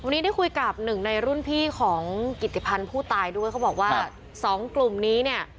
วันนี้ได้คุยกับหนึ่งในรุ่นพี่ของกิติพันธ์ผู้ตายด้วยเขาบอกว่าสองกลุ่มนี้เนี่ย